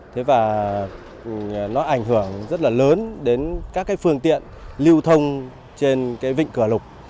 thế và nó ảnh hưởng rất là lớn đến các phương tiện lưu thông trên vịnh cửa lục